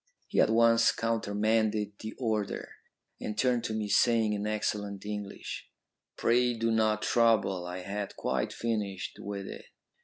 He at once countermanded the order, and turned to me, saying in excellent English, 'Pray do not trouble. I had quite finished with it.'